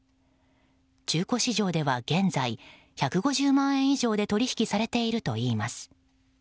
中古市場では、現在１５０万円以上で取引されているといいます。